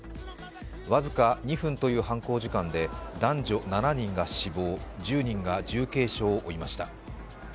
わずか２分という犯行時間で男女７人が死亡、１０人が重軽傷を負いました。